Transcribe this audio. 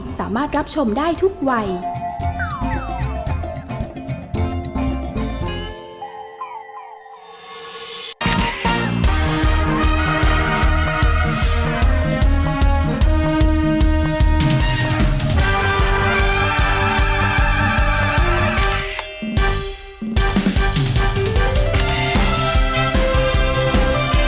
แม่บ้านประจำบาน